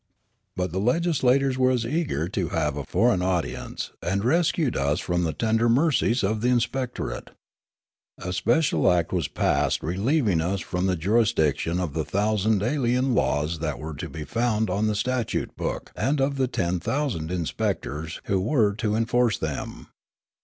But the legislators were as eager to have a foreign audience, and rescued us from the tender mercies of the inspectorate. A special act was passed relieving us from the jurisdiction of the thousand alien laws that 204 Riallaro were to be found on the statute book and of the ten thousand inspectors who were to enforce them.